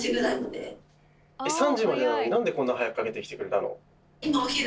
３時までなのになんでこんな早くかけてきてくれたの？